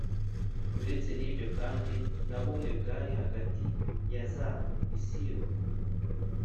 Uretse n ibyo kandi nta bumwe bwari hagati ya za misiyoni